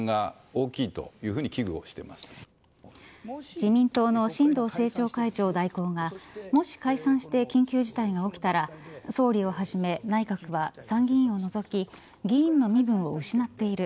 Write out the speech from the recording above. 自民党の新藤政調会長代行がもし解散して緊急事態が起きたら総理をはじめ内閣は参議院を除き議員の身分を失っている。